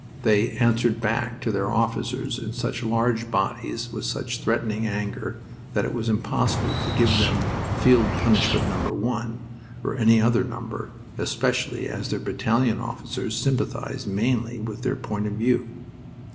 They "answered back" to their officers in such large bodies, with such threatening anger, that it was impossible to give them "Field Punishment Number One," or any other number, especially as their battalion officers sympathized mainly with their point of view.